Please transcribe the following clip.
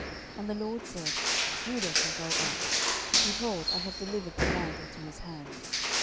07:001:002 And the LORD said, Judah shall go up: behold, I have delivered the land into his hand.